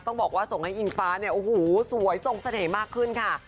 ต้องบอกว่าส่งให้อินฟ้าสวยส่งสะเทมมากขึ้นค่ะ